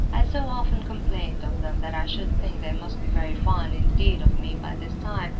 I so often complained of them that I should think they must be very fond, indeed, of me by this time.